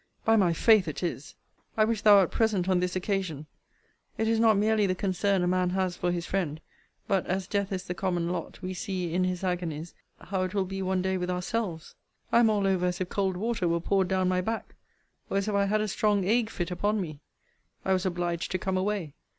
by my faith it is! I wish thou wert present on this occasion. It is not merely the concern a man has for his friend; but, as death is the common lot, we see, in his agonies, how it will be one day with ourselves. I am all over as if cold water were poured down my back, or as if I had a strong ague fit upon me. I was obliged to come away.